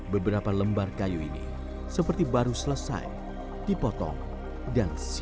beberapa lembar kayu ini seperti baru selesai dipotong dan siap